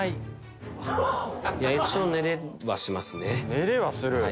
寝れはする。